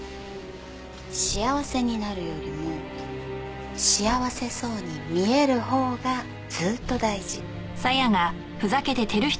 幸せになるよりも幸せそうに見えるほうがずっと大事。